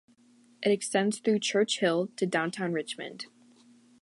It extends through Church Hill to Downtown Richmond.